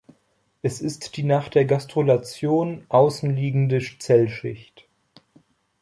Es ist die nach der Gastrulation außen liegende Zellschicht.